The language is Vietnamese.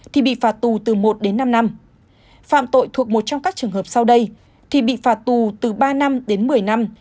thì bị phạt tù từ một đến năm năm phạm tội thuộc một trong các trường hợp sau đây thì bị phạt tù từ ba năm đến một mươi năm